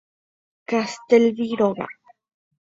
Castelví róga.